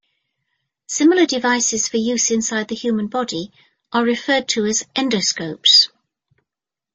Similar devices for use inside the human body are referred to as endoscopes.